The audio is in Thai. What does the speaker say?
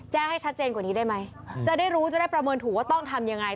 ให้ชัดเจนกว่านี้ได้ไหมจะได้รู้จะได้ประเมินถูกว่าต้องทำยังไง